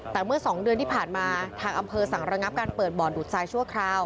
แต่เมื่อ๒เดือนที่ผ่านมาทางอำเภอสั่งระงับการเปิดบ่อดูดทรายชั่วคราว